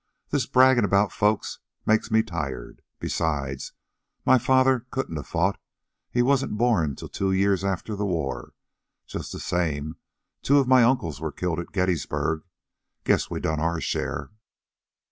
This braggin' about folks makes me tired. Besides, my father couldn't a fought. He wasn't born till two years after the war. Just the same, two of my uncles were killed at Gettysburg. Guess we done our share."